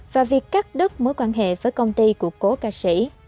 và việc cắt đứt mối quan hệ với công ty của cố ca sĩ